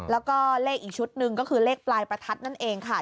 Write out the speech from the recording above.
แล้วก็เลขอีกชุดหนึ่งก็คือเลขปลายประทัดนั่นเองค่ะ